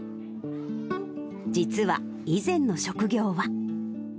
実は以前の職業は。